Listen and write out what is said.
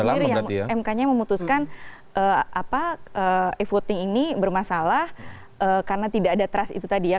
mk nya sendiri yang memutuskan e voting ini bermasalah karena tidak ada trust itu tadi ya